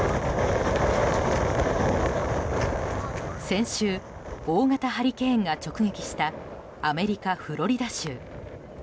先週、大型ハリケーンが直撃したアメリカ・フロリダ州。